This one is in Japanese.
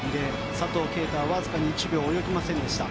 佐藤圭汰はわずかに１秒及びませんでした。